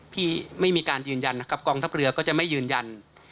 ที่ไม่มีการยืนยันนะครับกองทัพเรือก็จะไม่ยืนยัน